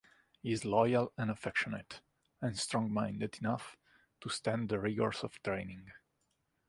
He is loyal and affectionate, and strong-minded enough to stand the rigors of training.